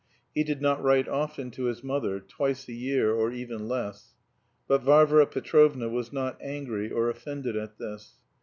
He did not write often to his mother, twice a year, or even less, but Varvara Petrovna was not angry or offended at this.